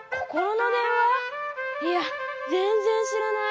いやぜんぜんしらない。